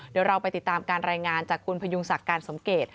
เดี๋ยวเราไปติดตามการรายงานจากคุณพยุงศักดิ์การสมเกต